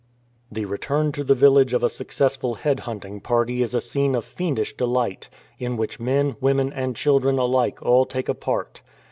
The return to the village of a successful head hunting party is a scene of fiendish delight, in which men, women, and children alike all take a part.